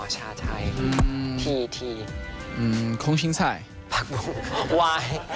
จากนั้นก็เลยต้องเรียกว่า